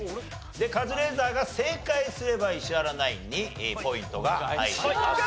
でカズレーザーが正解すれば石原ナインにポイントが入ります。